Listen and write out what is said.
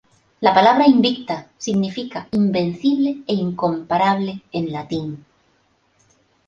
La palabra "Invicta" significa "Invencible e Incomparable" en latín.